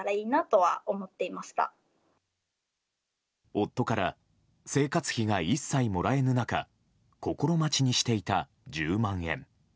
夫から生活費が一切もらえぬ中心待ちにしていた１０万円。